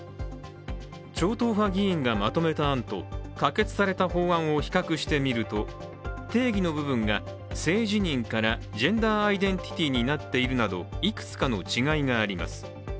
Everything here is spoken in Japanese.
超党派議員がまとめた案と、可決された法案を比較してみると定義の部分が、性自認からジェンダーアイデンティティになっているなどいくつかの違いがあります。